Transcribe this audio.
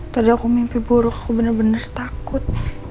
tadi aku mimpi buruk aku bener bener takut